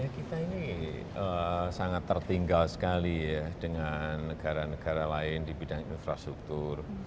kita ini sangat tertinggal sekali ya dengan negara negara lain di bidang infrastruktur